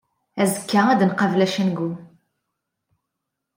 Azekka ad nqabel acengu.